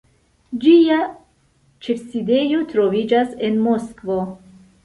Ĝia ĉefsidejo troviĝas en Moskvo.